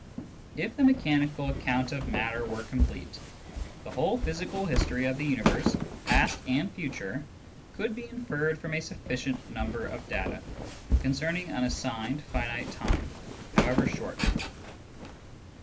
If the mechanical account of matter were complete, the whole physical history of the universe, past and future, could be inferred from a sufficient number of data concerning an assigned finite time, however short.